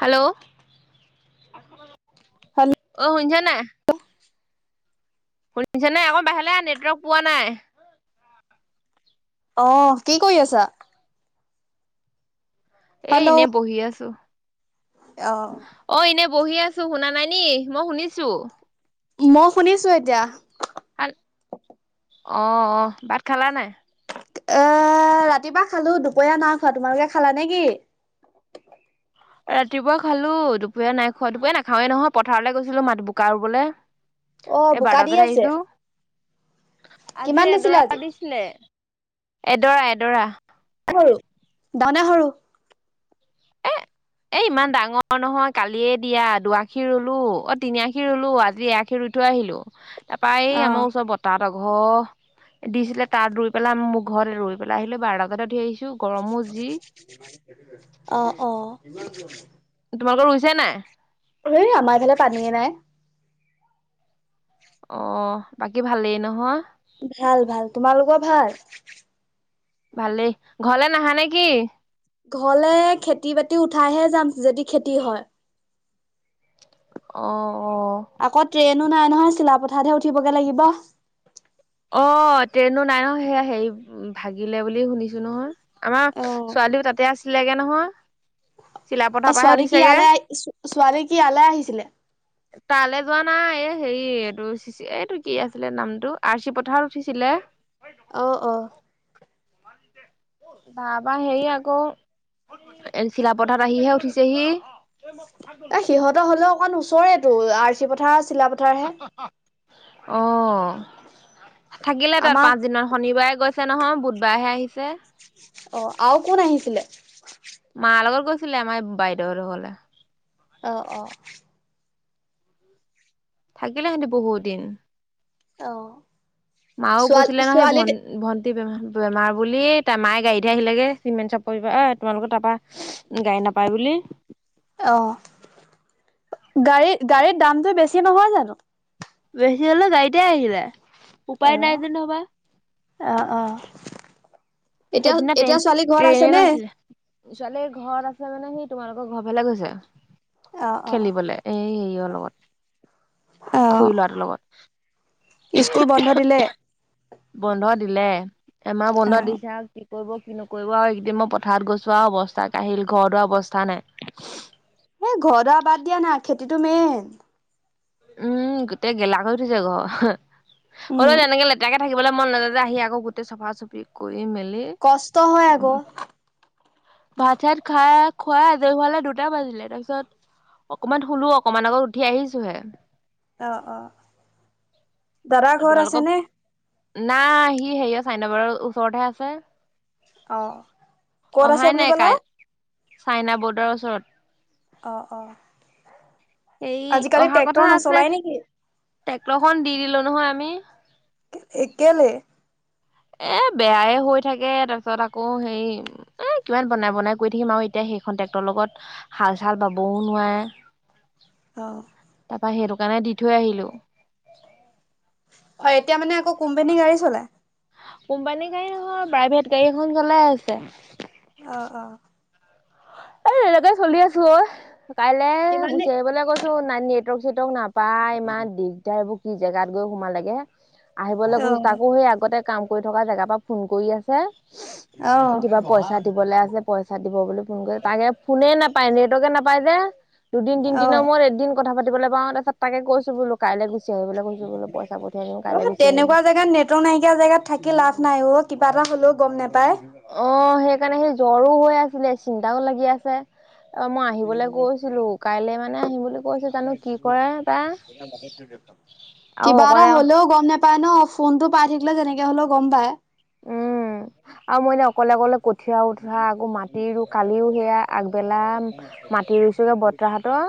Hello hello আহ শুনিছা নাই। শুনিছে নাই আকৌ বাহিৰ নেটৱৰ্ক পোৱা নাই। আহ কি কৰি আছা। এ এনে বহি আছো। অহ অ এনে বহি আছো শুনা নাই নি মই শুনিছো মই শুনিছো এতিয়া খাল অ অ ভাত খালা নাই। এ ৰাতিপুৱা খালো দুপৰীয়া না খোৱা তোমালোকে খালা নে কি। ৰাতিপুৱা খালো দুপৰীয়া নাইখোৱা দুপৰীয়া নাখাৱেই নহয় পথাৰলৈ গৈছিলো মাত বোকা ৰুবলে। অ' এ বাৰ বোকা দি তাবজাত আছে আহিছো কিমান আজি দিছিলে এডৰা আজি? দিছিলে। এডৰা এডৰা সৰু ডাঙৰ না সৰু এ এ ইমান ডাঙৰ নহয় কালিয়ে দিয়া দুআশী ৰুলো অ তিনি আশি ৰুলো আজি এ আশী ৰু আহিলো তাৰপৰা এই অ' আমাৰ ওচৰত বতাহত ঘৰ দিছিলে তাত ৰুই পেলাই মোৰ ঘৰত ৰৈ পেলাই আহিলে বাৰটা বজাত ধু আহিছো গৰমো যি অ অ তোমালোকৰ ৰুইছে নাই। হেই আমাৰ ইফালে পানীয়ে নাই। অ বাকী ভালেই নহয়। ভাল ভাল তোমালোকৰ ভাল ভালেই ঘৰলে নাহা নে কি ঘৰলে খেতি বাতি উঠাইহে যাম যদি খেতি হয় অ আকৌ ট্ৰেইনো নাই নহয় চিলাপথাৰহে উঠিবগে লাগিব। অ ট্ৰেইনো নাই ন সেয়া হেৰি ভাগিলে বুলি শুনিছো নহয় আমাৰ অ' ছোৱালীও তাতে আছিলেগে নহয়। চিলাপথাৰ অ পৰাহে ছোৱালী কি উঠিছেগে ইয়ালে আহ ছোৱালী কি ইয়ালে আহিছিলে। তালৈ যোৱা নাই এই হেৰি এইটো এইটো কি আছিলে নামটো আৰ চি পথাৰত উঠিছিলে। অহ অহ বাবা সেই আকৌ এ চিলাপথাৰত আহিহে উঠিছেহি এ সিহঁতৰ হলেও অকণ ওচৰেতটো আৰ চি পথাৰ চিলাপথাৰ হে অহ থাকিলে তাত আমাক পাঁচ দিনৰ শনিবাৰে গৈছে নহয় বুধবাৰহে আহিছে। অ আৰু কোন আহিছিলে মা লগত গৈছিলে আমাৰ বাইদেউ হত ঘৰলে। অ অ থাকিলেহেঁতে বহুত দিন অহ মাও গৈছিলে নহয় ভন ভন বেমাৰ বুলি তাৰ মায়ে গাড়ীতে আহিলেগে চিমেণ্ট চাপৰ এ তোমালৰ তাৰ পৰা গাড়ী নাপায় বুলি অ গাড়ী গাড়ীৰ দামটো বেছি নহয় জানো। বেছি হলে গাড়ীতে আহিযায় অ উপায় নাই যে নহবা। অ এতিয়া সেইটো ন টন এতিয়া ছোৱালী ঘৰত ট্ৰেইনে আছে নে? নাছিলে [unintelligible] ছোৱালীৰ ঘৰত আছে মানে সি তোমালোকৰ ঘৰ ফালে গৈছে অ অ খেলিবলৈ এ হে অল অ খুই লৱাটোৰ লগত [unintelligible] স্কুল বন্ধ দিলে বন্ধ দিলে এমাহ বন্ধ দিছেআ কৰিব কি নকৰিব আৰু এইকেইদিন মই পথাৰত গৈছো আৰু অৱস্থা আহ আহিল ঘৰ দুৱা অৱস্থা নাই [unintelligible] এ ঘৰ দৰা বাদ দিয়া না খেতিটো মেইন [unintelligible] উম গোটেই গেলা কৰি উঠিছে ঘৰ উম। হ'লেও তেনেকে লেতেৰাকে থাকিবলৈ মন নাযা যে আহি আকৌ গোটেই চফা চুফ কৰি মেলি কষ্ট হয় আকৌ উম ভাত চাত খাই খোৱা আজৈ খুৱালে দুটা বাজিলে তাৰপিছত অকমান শুলো অকমান আগত উঠি আহিছোহে অ অ দৰা ঘৰ আছে তোমালোকক ন নাই সি সেয় চাইনাবাৰৰ ওচৰতহে আছে অ কত আছে অহাই বুলি নাই কলা কাই চাইনা বৰ্ডাৰৰ ওচৰত অ অ এই আজিকালি অহা কথা ট্ৰেক্টৰ আছে নচলাই নেকি? টেক্টৰখন দি দিলো নহয় আমি এই কেলে এ বেয়াই হৈ থাকে তাৰপিছত আকৌ হে এ কিমান বনাই বনাই কৰি থাকিম আৰু এতিয়া সেইখন ট্ৰেক্টৰৰ লগত হাল চাল বাবও নোৱাৰে [inaudible] অহ বা সেইটো কাৰণে দি থৈ আহিলো অ' এতিয়া মানে আকৌ কোম্পানী গাড়ী চলায়। কোম্পানী গাড়ী নহয় প্ৰাইভেট গাড়ী এখন চলাই আছে। অহ অহ এ এনেকে চলি আছো অ' ঐ কাইলৈ কিমানে গুচি আহিবলৈ কৈছে। ন নেটৱৰ্ক চেটৱৰ্ক নাপাই ইমান দিগদাৰ এইবোৰ কি জেগাত গৈ সোমালেগে। অ আহিবলৈ গৈছো। তাকো সেই আগতে কাম কৰি থকা জেগাৰ পৰা ফোন কৰি আছে। অ অ কিবা পইচা দিবলৈ আছে ফোন তাকে ফোনে নাপায় নেটৱৰ্কে নাপায় যে দুদিন তিনিদিনৰ মূৰত এদিন [unintelligible] কথা পাতিবলে পাওঁ তাছত তাকে কৈছো বোলো কাইলে গৈ অ আহিবি। তেনেকোৱা জেগাত নেটৱৰ্ক নাইকিয়া জেগাত থাকি লাভ নাই অ [unintelligible] কিবাএতা হলো অ সেইকাৰণে সেই জ্বৰো হৈ আছিলে চিন্তাও লাগি আছে অ মই আহিবলৈ গৈছিলো কাইলে মানে আহিম বুলি কৈছো জানো কি কৰে তাই কি আৰু বাএটা অকলে হলেও গম নাপা পাই ন ফোন টো পাই থাকিলে যেনেকে হলেও গম পাই উম আৰু মইনে অকলে অকলে উঠিও উঠোৱা আকৌ মাটি ৰু কালিও সেয়া আগবেলা মাটি ৰুইছোঁগৈ বতাহঁতৰ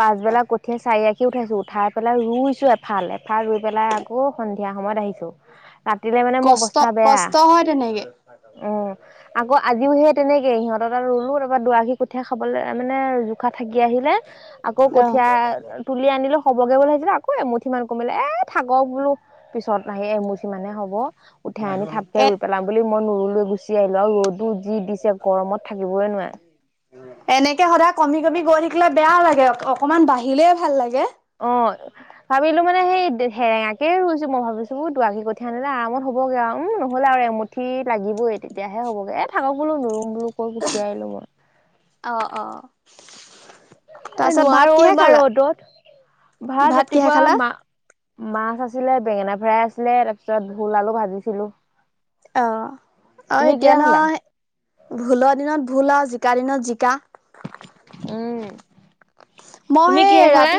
পাছবেলা কঠীয়া চাৰিআঁকি উঠাইছো উঠাই পেলাই ৰুইছো ফাল এফাল ৰুই পেলাই আকৌ সন্ধিয়া সময়ত আহিছো কাটিলে মানে মোৰ কষ্ট অৱস্থা বেয়া কষ্ট হয় তেনেকে অ। আ আকৌ আজিও সেই তেনেকে, সিহতৰ তাত ৰুলো তাৰপৰা দৰাশি কঠীয়া খাবলৈ মানে জোখা থাকি আহিলে আকৌ অ কঠীয়া তুলি আনিলো হ'বগৈ বুলি ভাবিছিলো আকৌ এমুঠি মান কমিলে এ থাকক বোলো, পিছত আহি এমুঠি মানে হ'ব। উঠাই আনি থাপকে এ ৰুই পেলাম বুলি মই নৰু লৈ গুচি আহিলো আৰু ৰ'দো [unintelligible] যি দিছে গৰমত থাকিবই নোৱাৰে। এনেকে সদায় কমি কমি গৈ থাকিলে বেয়া লাগে, অকমান বাঢ়িলে ভাল লাগে। অ', ভাবিলো মানে সেই সেৰেঙাকে ৰুইছো মই ভাবিছো দুৱাকী কঠীয়া আনিলে আৰামত বগে আৰু উম নহলে আৰু এমুঠি লাগিবই, তেতিয়াহে হ'বগে এ থাকক বোলো নৰুম বোলো। কৈ গুচিয়াই লব। অ অ এ তাৰপিছত ভাত নোৱাৰো কিহে ইমান খালা ৰ'দত। ভাত কিহে ৰাতিপুৱা খালা মা -মাছ আছিলে বেঙেনা ভৰাই আছিলে, তাৰ পিছত ভুল আলু ভাজিছিলো। অ আৰু তুমি এতিয়া কিহে খালা? নহ ভুলৰ দিনত ভুল আৰু জি কালীন জিকা উম। মই তুমি সেই কিহে খালা? ৰাতি,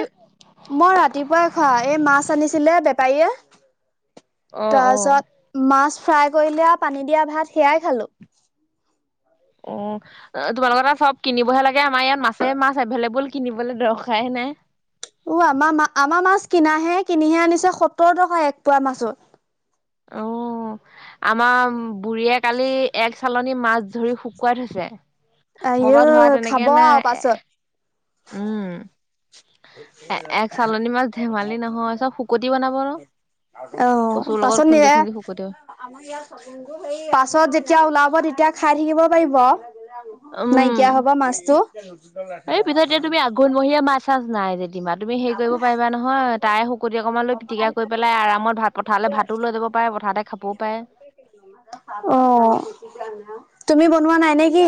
মই ৰাতিপুৱা খোৱা এই মাছ আনিছিলে বেপাৰীয়ে, অ', অ', তাৰপিছত মাছ ফ্ৰাই কৰি দিয়া পানী দিয়া ভাত সেয়াই খালো। অ', তোমালোকৰ এটা চব কিনিবহে লাগে, আমাৰ ইয়াত মাছে মাছ এভেইলেবল কিনিবলৈ দৰকাৰে নে অ' আমাৰ মা আমাৰ মাছ কিনাহে, কিনিহে আনিছে সত্তৰ টকা এক পোৱা মাছৰ। উম আমাৰ বুঢ়ীয়ে কালি এক চালনী মাছ ধৰি শুকুৱাই থৈছে, ম পৰা আইও ধৰা খাব তেনেকে আৰু নাই পাছত। এ উম। এ এক চালনী মাছ ধেমালি নহয়, চব শুকতি বনাব ৰ। অ' পাচত নিয়ে পাছত যেতিয়া ওলাব তেতিয়া খাই থাকিব পাৰিব। উম নাইকিয়া হবা মাছটো। এই পিছত দিমা তুমি হেৰি কৰিব পাৰিবা নহয়, তাই শুকতি অকণমান লৈ পিটিকা কৰি পেলাই আৰামত ভাত পথাৰলৈ ভাতো লৈ যাব পাই পঠাতে খাবও পাৰে। অ। তুমি বনোৱা নাই নেকি?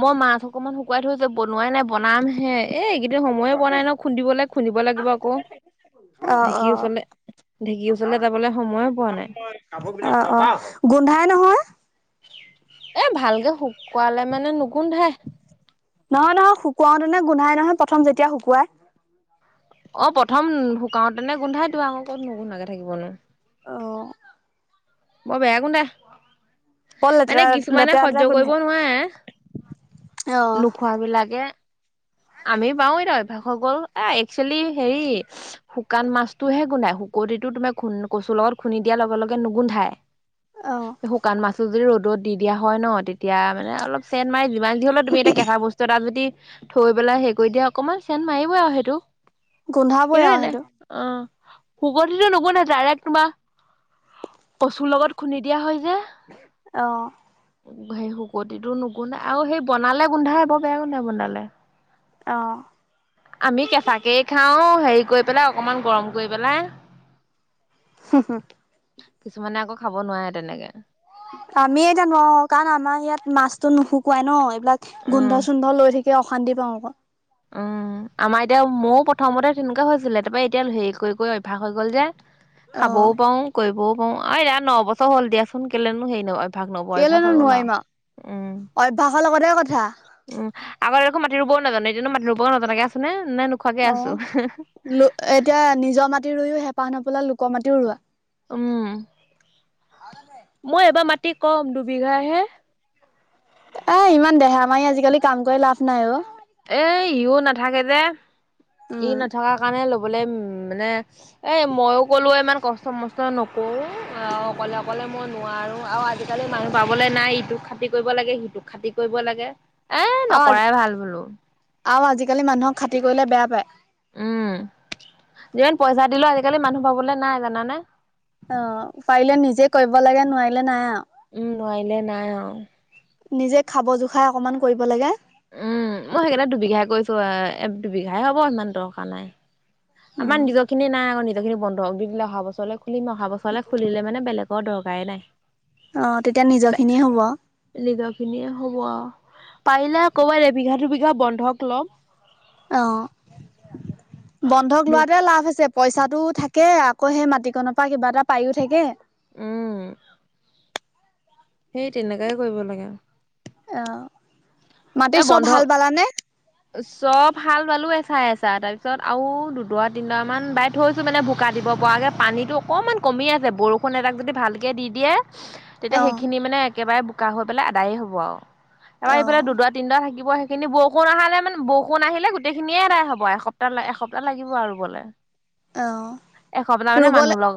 মই মাছ অকমান শুকুৱাই থৈ যে বনোৱাই নাই বনাম হে। এ এইকেইদিন সময়ে পোৱা নাই ন খুন্দিবলৈ খুন্দিব লাগিব আকৌ অ', ঢেকীৰ ওচৰলে। ঢে অ অ গোন্ধাই নহয়। এ ভালকে শুকোৱালে মানে নুগুন্ধাই। কোৱাওতেনে গোন্ধাই নহয় প্ৰথম যেতিয়া শুকুৱাই? অ' প্ৰথম শুকাওতেনে গোন্ধাইতো আকৌ ক'ত নুগোন্ধাকে থাকিব নো। অ', বৰ বেয়া গোন্ধাই, বৰ লেতেৰা মানে কিছুমানে লেতেৰা লেতেৰা সহ্য কৰিব গোন্ধাই, নোৱাৰে। অ', নোখোৱাবিলাকে আমি পাওঁ‌ এতিয়া অভ্যাস হৈ গ'ল এ একচুৱেলি হেৰি শুকান মাছতটোহে গুন্ধাই। শু কটিটো তোমাৰ খুন কচুৰ লগত খুন্দি দিয়াৰ লগে লগে নুগোন্ধাই। অ'। শুকান মাছো যদি ৰ'দত দি দিয়া হয় ন, তেতিয়া মানে অলপ চেন মাৰি ইমান যি হ'লে তুমি এ কেঁচা বস্তু এটা যদি থৈ পেলাই হেৰি কৰি দিয়া অকমান চেন মাৰিবই আৰু সেইটো, গোন্ধাবই আৰু সেইটোনে সেইটো, অ' সুগতিটো নবনাই ডাইৰেক্ট তোমাৰ কচুৰ লগত খুন্দি দিয়া হয় যে অহ। সেই শুকতিটো নোগোন্ধাই আৰু সেই বনালে গোন্ধাই ব বেয়া গোন্ধাই বনালে। অহ। আমি কেঁচাকেই খাও হেৰি কই পেলাই অকমান গৰম কৰি পেলাই। হুঁ হুঁ। কিছুমানে আকৌ খাব নোৱাৰে তেনেকে। আমি এতিয়া নোৱাৰো কাৰণ আমাৰ সেয়াত মাছতো নুশুকুৱাই ন। এইলাক উম গোন্ধ চোন্ধ লৈ থাকি অশান্তি পাওঁ আক। উম আমাৰ এতিয়া ময়ো প্ৰথমতে তেনেকুৱা হৈছিলে। তাপা এতিয়া হেই কই কই অভ্যাস হৈ গল যে। খাবও অ', পাও কইবও পাও অইয়া নবছৰ হ'ল দিয়াচোন কেলেনো হেই নকৈ। কেলেনো নোৱাইম আও অভ্যাসৰ লগতে কথা। আগত একো মাটি ৰুবও নাজানে এটিয়ানো মাটি ৰুব নাজনাকে আছেনে। অ লোএতিয়া নিজৰ মাটি ৰুইও হেঁপাহ নপেলা লোকৰ মাটিও ৰোৱা। উম তি কম দুবিঘা হে। এ ইমান দেহা মাই আজিকালি কাম কৰি লাভ নাই অ। এ ইও নাথাকে যে ই উম। নথাকাৰ কাৰণে ল-। বলে মানে এ মইও কলো ইমান কষ্ট মষ্ট নকৰো অও অকলে অকলে। মই নোৱাৰো আৰু আজিকালি মানুহ পাবলৈ নাই ইটোক খাতি কৰিব লাগে সিটোক খাতি কৰিব লাগে। এ নকৰাই ভাল বোলো। আও আজিকালি মানুহক খাতি কৰিলে বেয়া পায়। উম যিমান পইচা দিলে আজিকালি মানুহ পাবলৈ নাই জানানে। অঁ পাৰিলে নিজে কৰিব লাগে নোৱাৰিলে নাই আৰু। উম নোৱাৰিলে নাই আও। নিজে খাব জোখাই অকমান কৰিব লাগে। উম মই সেকাণে দুবিঘাই কৈছো আ দুবিঘাই হ'ব ইমান দকা নাই। আমাৰ উম নিজখিনি নাই আকৌ নিজ খিনি বন্ধক দি দিলে অহা বছলে খুলিম অহা বছৰলে খুলিলে মেনে বেলেগৰ দ-। কায়ে নাই অ তেতিয়া নিজৰ খিনিয়ে হ'ব নিজৰ খিনিয়ে হ'ব আও। পাৰিলে ক'বাত এবিঘা দুবিঘা বন্ধক ল'ম। অঁ বন্ধক লোৱাতে লাভ আছে। পইচাটো থাকে আকৌ সেই মাটিকন পা কিবা এটা পাইও থাকে। উম। সেই তেনেকাই কৰিব লাগে। এঅহ মাটি এই চব বন্ধ হাল বালানে? চব হাল বালো এচা এছা তাৰ পিছত আৰু দুডৰা তিনডৰা মান বাই থৈছো মানে ভোকা দিব- পাগে পানীটো অকমান কমি আছে বৰষুণ এজাক যদি ভালকে দি দিয়ে। তেতিয়া অ সেইখিনি মানে একেবাৰে বোকা হৈ পেলাই আদায়ে হব আও তাপা অ সেইফালে দুডৱা তিনদৱা থাকিব। কিব সেইখিনি বৰষুন অহালে- মানে বওষুণ আহিলে গোটেই খিনিয়ে আদাই হ'ব এসপ্তা এসপ্তাহ লাগিব আৰু ৰুবলে। এসপ্তাহ অঁহ মানে মানুহ ৰুবলে। লগ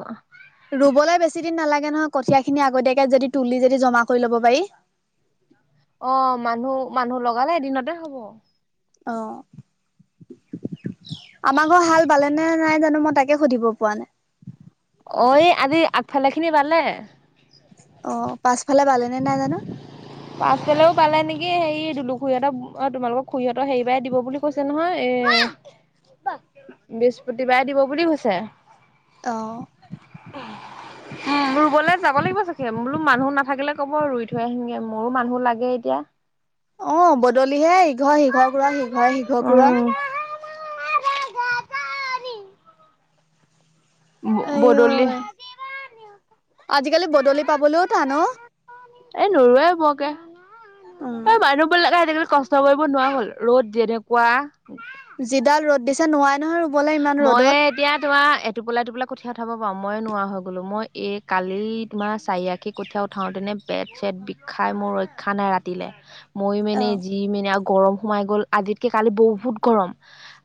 ৰুবলে বেছি দিন নালাগে নহয় কঠীয়া খিনি আগতিয়াক-। কে যদি তুলি যদি জমা কৰি ল'ব পাৰি। অ মানুহ মানুহ লগালে এদিনতে হব। অঁ। আমা ঘ হাল বালেনে নাই জানো মই তাকে সুধিব পৱা নাই। অ এ আজি আগফালে খিনি বালে। অ পাছফালে বালেনে নাই জানো। লেও পালে নেকি হেৰি দুলুখুইহেতক অ তোমালোক খুুৰীহঁত হেইবাই দিব বুলি কৈছে নহয় এ-। বৃহস্পতিবাৰে দিব বুলি হৈছে। অঁ। উম ৰুবলে যাব লাগিব চাগে বোলো মানুহ নাথাকিলে ক'ব ৰুই থৈ আহিমগে। মোৰো মানুহ লাগে এতিয়া। অঁ বদলিহে ইঘৰ সিঘৰ ঘোৰা সিঘৰ সিঘৰ ঘোৰা। উম ব বদলে। আঐ আজিকালি বদলি পাবলৈও টান ঔ। এ নোৰোৱে বকে উম এই মানুহ বিলাকে আজি কালি। কষ্ট কৰিব নোৱাৰা হ'ল, ৰ'দ যেনেকুৱা। যিডাল ৰ'দ দিছে নোৱাই। নহয় ৰুবলৈ ইমান মই ৰ'দত এতিয়া তোমাৰ। টোপলাই টোপালাই কঠীয়াা উঠাব পাওঁ মই নোৱা হৈ গ'লো মই এই কালি তোমাৰ চাৰিআশি কঠীয়া উঠাওঁতেনে। পেট চেট বিষাই মোৰ ৰক্ষা নাই ৰাতিলে। মৰিমে অ নে যিমেনে আৰু গৰম সোমাই গ'ল আজিতকে কালি বহুত গৰম।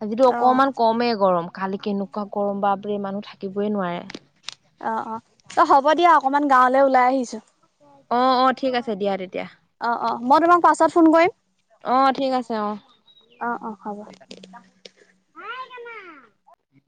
আজিতো অ অকমান কমেই গৰম, কালি কেনেকুৱা গৰম বাপৰে মানুহ থাকিবই নোৱায়ে। অ অ এ হ'ব দিয়া অকমান গাঁৱলৈ ওলাই আহিছো। অ অ ঠিক আছে দিয়া তেতিয়া। অ অ মই তোমাক পাছত ফোন কৰিম। অ ঠিক আছে অ অ অ হ'ব।